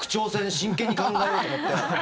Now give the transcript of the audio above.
真剣に考えようと思って。